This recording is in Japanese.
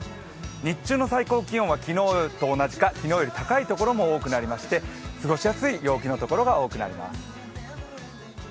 日中の最高気温は昨日と同じか、昨日より高いところも多くなりまして過ごしやすい陽気の所が多くなります。